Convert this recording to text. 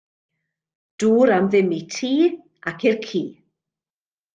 Dŵr am ddim i ti ac i'r ci!